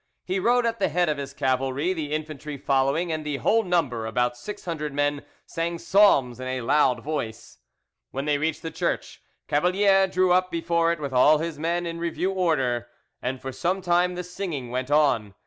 He rode at the head of his cavalry, the infantry following, and the whole number—about six hundred men—sang psalms in a loud voice. When they reached the church, Cavalier drew up before it with all his men in review order, and for some time the singing went on.